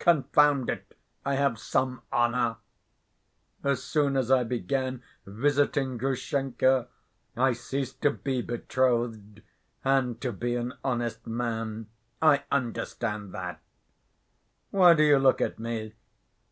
Confound it, I have some honor! As soon as I began visiting Grushenka, I ceased to be betrothed, and to be an honest man. I understand that. Why do you look at me?